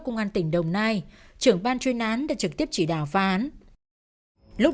cái đài này còn sử dụng được không